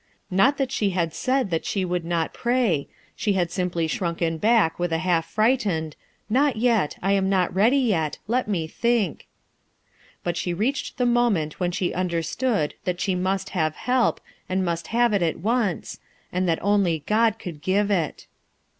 Not that she had said that she would not pray, she had simply shrunken back with a half frightened "Not yet, I am not ready yet; let me think." But she reached the moment when she understood that she must have help 235 RUTH ERSKINE'S SON and must have it at once, and that only God could give it.